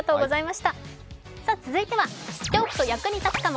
続いては知っておくと役に立つかも。